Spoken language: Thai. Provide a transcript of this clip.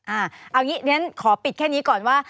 อ่าเอางี้ฉะนั้นขอปิดแค่นี้ก่อนว่า